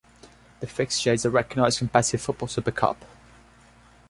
The fixture is a recognised competitive football super cup.